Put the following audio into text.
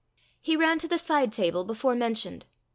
He ran to the side table before mentioned.